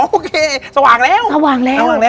อ๋อโอเคสว่างแล้ว